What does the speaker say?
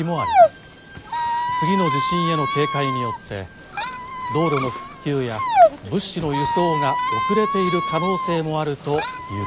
次の地震への警戒によって道路の復旧や物資の輸送が遅れている可能性もあるということです」。